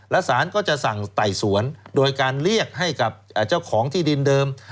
และสารก็จะสั่งไต่สวนโดยการเรียกให้กับเจ้าของที่ดินเดิม